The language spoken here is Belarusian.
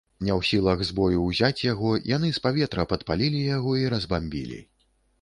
Не ў сілах з бою ўзяць яго, яны з паветра падпалілі яго і разбамбілі.